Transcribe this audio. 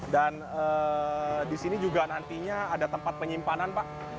dan di sini juga nantinya ada tempat penyimpanan pak